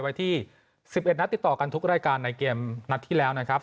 ไว้ที่๑๑นัดติดต่อกันทุกรายการในเกมนัดที่แล้วนะครับ